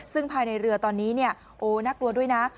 ซึ่งภายในเรือตอนนี้เนี่ยโอ้น่ากลัวด้วยนะ